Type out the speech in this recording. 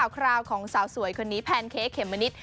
คราวของสาวสวยคนนี้แพนเค้กเขมมะนิด